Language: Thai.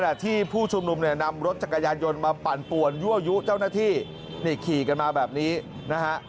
ที่ผู้ชุมนุมเนี่ยนำรถจักรยานยนต์มาปั่นป่วนยั่วยุเจ้าหน้าที่นี่ขี่กันมาแบบนี้นะฮะ